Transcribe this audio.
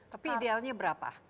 tapi idealnya berapa